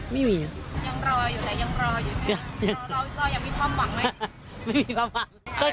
ไม่มีพร้อมหวัง